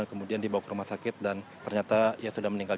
dan kemudian dibawa ke rumah sakit dan ternyata dia sudah meninggal